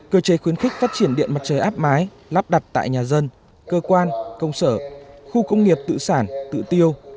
cơ chế khuyến khích phát triển điện mặt trời áp mái lắp đặt tại nhà dân cơ quan công sở khu công nghiệp tự sản tự tiêu